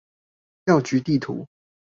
藥局地圖